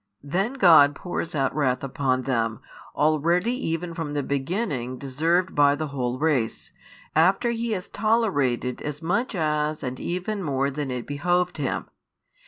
Then God pours out wrath upon them, already even from the beginning deserved by the whole race, after He has tolerated as much as and even more than it behoved Him.